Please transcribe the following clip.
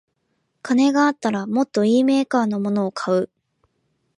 金があったらもっといいメーカーのを買う